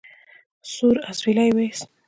سوړ اسويلی يې ويست.